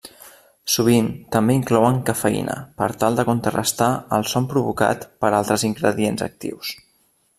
Sovint també inclouen cafeïna per tal de contrarestar el son provocat pels altres ingredients actius.